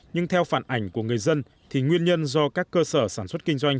nhưng theo phản ảnh của người dân thì nguyên nhân do các cơ sở sản xuất kinh doanh